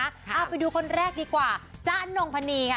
เอาไปดูคนแรกดีกว่าจ๊ะนงพนีค่ะ